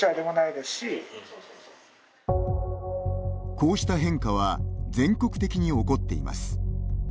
こうした変化は全国的に起こっています。